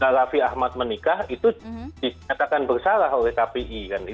raffi ahmad menikah itu disatakan bersalah oleh kpi kan